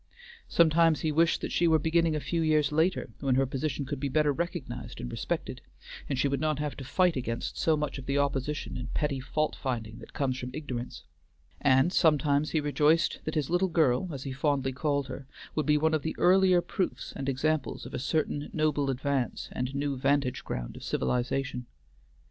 Sometimes he wished that she were beginning a few years later, when her position could be better recognized and respected, and she would not have to fight against so much of the opposition and petty fault finding that come from ignorance; and sometimes he rejoiced that his little girl, as he fondly called her, would be one of the earlier proofs and examples of a certain noble advance and new vantage ground of civilization.